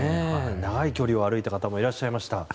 長い距離を歩いた方もいらっしゃいました。